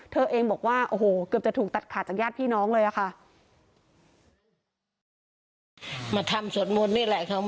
เธอเองบอกว่าโอ้โหเกือบจะถูกตัดขาดจากญาติพี่น้องเลยอะค่ะ